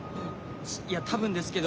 いや多分ですけど。